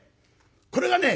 これがね